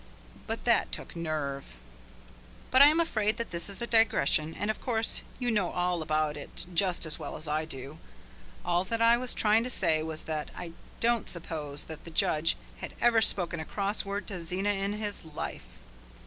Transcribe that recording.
But that took nerve. But I am afraid that this is a digression, and, of course, you know all about it just as well as I do. All that I was trying to say was that I don't suppose that the judge had ever spoken a cross word to Zena in his life.